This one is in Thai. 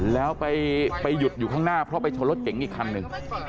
แล้วไปหยุดอยู่ข้างหน้าเพราะไปชนรถเก๋งอีกคันหนึ่ง